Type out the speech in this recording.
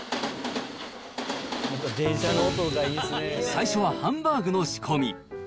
最初はハンバーグの仕込み。